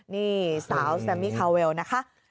นี่โซว์๑๒แซมมี่คาวเวลล์นะคะ